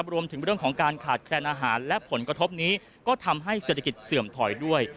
รวมถึงเรื่องของการขาดแคลนอาหารและผลกระทบนี้ก็ทำให้เศรษฐกิจเสื่อมถอยด้วย